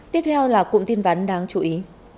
tiếp theo là cùng tin vấn đáng chú ý